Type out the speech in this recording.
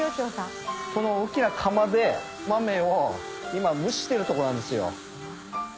この大っきな釜で豆を今蒸してるとこなんですよ。